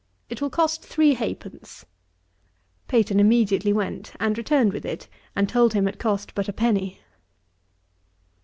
It will cost three half pence.' Peyton immediately went, and returned with it, and told him it cost but a penny.